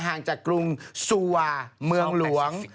ห่างจากกรุงซัวเมืองหลวง